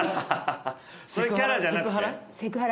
セクハラ？